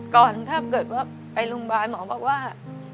ถ้าเกิดว่าไปโรงพยาบาลหมอบอกว่า